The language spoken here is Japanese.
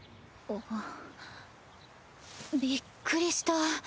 びっくりした。